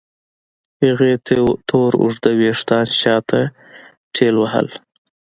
هغې تور اوږده وېښتان شاته ټېلوهل.